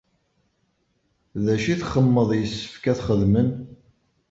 D acu i txemmeḍ yessefk ad t-xedmen?